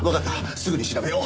すぐに調べよう。